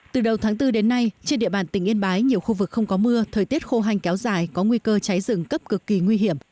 từ đầu tháng bốn đến nay trên địa bàn tỉnh yên bái nhiều khu vực không có mưa thời tiết khô hanh kéo dài có nguy cơ cháy rừng cấp cực kỳ nguy hiểm